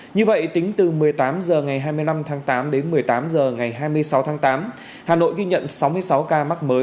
như vậy tính từ một mươi tám h ngày hai mươi năm tháng tám đến một mươi tám h ngày hai mươi sáu tháng tám hà nội ghi nhận sáu mươi sáu ca mắc mới